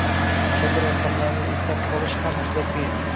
Kabi raqamlarni eslab qolish ham juda qiyin